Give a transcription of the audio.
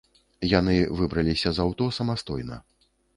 Яны выбраліся з аўто самастойна.